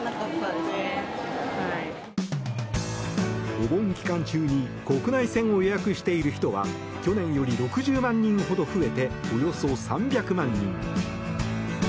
お盆期間中に国内線を予約している人は去年より６０万人ほど増えておよそ３００万人。